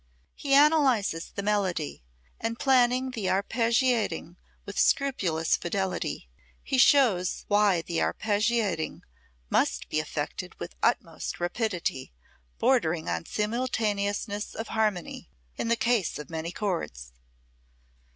He analyzes the melody and, planning the arpeggiating with scrupulous fidelity, he shows why the arpeggiating "must be affected with the utmost rapidity, bordering upon simultaneousness of harmony in the case of many chords."